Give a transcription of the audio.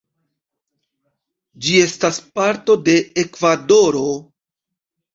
Ĝi estas parto de Ekvadoro.